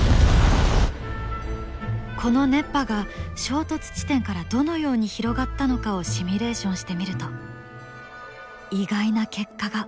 この熱波が衝突地点からどのように広がったのかをシミュレーションしてみると意外な結果が。